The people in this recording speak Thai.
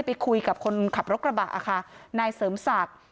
ไปคุยกับคนขับรถกระบะค่ะนายเสริมศักดิ์